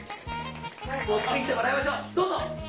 持ってきてもらいましょうどうぞ！